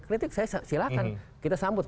kritik saya silahkan kita sambut